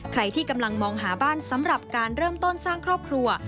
ใครที่กำลังมองหาบ้านสำหรับการเริ่มต้นสร้างครอบครัว